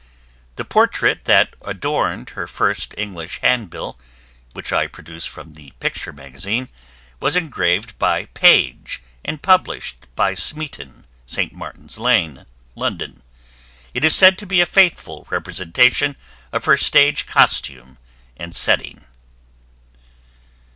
The portrait that adorned her first English handbill, which I produce from the Picture Magazine, was engraved by Page and published by Smeeton, St. Martins Lane, London. It is said to be a faithful representation of her stage costume and setting.